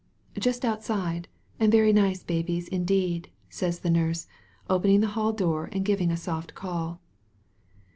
"Just outside, and very nice babies indeed," says the nurse, opening the hall door and giving a soft call.